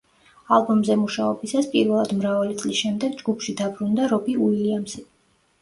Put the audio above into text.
ალბომზე მუშაობისას, პირველად მრავალი წლის შემდეგ ჯგუფში დაბრუნდა რობი უილიამსი.